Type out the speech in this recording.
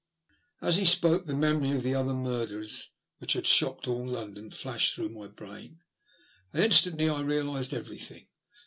As he spoke, the memory of the other murders which had shocked all London flashed through my brain, and instantly I realised everything.